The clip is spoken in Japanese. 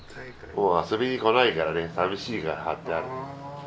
もう遊びに来ないからね寂しいから貼ってある。